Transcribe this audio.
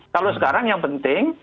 kalau sekarang yang penting